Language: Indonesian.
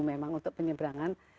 memang untuk penyebrangan